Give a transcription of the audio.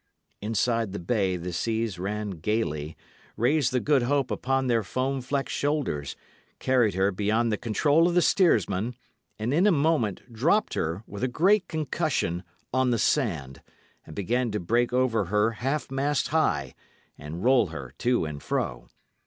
Inside the bay the seas ran gayly, raised the Good Hope upon their foam flecked shoulders, carried her beyond the control of the steersman, and in a moment dropped her, with a great concussion, on the sand, and began to break over her half mast high, and roll her to and fro.